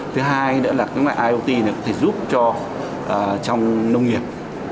thứ hai nữa là cái mạng iot này có thể giúp cho trong nông nghiệp